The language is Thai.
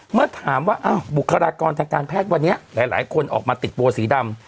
เมื่อถามว่าบุคลากรทางการแพทย์วันนี้หลายคนออกมาติดโบสีดำ